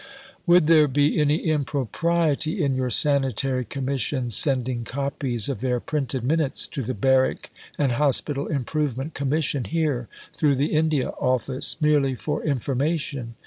Would there be any impropriety in your Sanitary Commissions sending copies of their printed Minutes to the Barrack and Hospital Improvement Commission here, through the India Office merely for information?